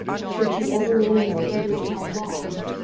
should she ever really know for just how long?